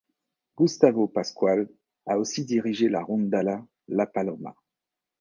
Gustavo Pascual a aussi dirigé la rondalla La Paloma.